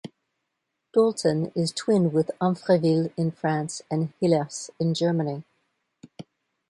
Dolton is twinned with Amfreville in France, and Hillerse in Germany.